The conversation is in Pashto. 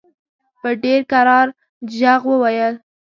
په ډېر کرار ږغ وویل.